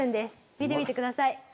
見てみて下さい。